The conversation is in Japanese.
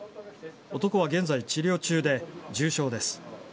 男は現在、治療中で重傷です。